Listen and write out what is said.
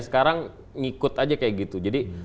sekarang mengikut saja seperti itu